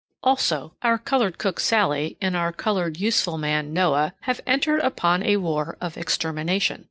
Also, our colored cook Sallie and our colored useful man Noah have entered upon a war of extermination.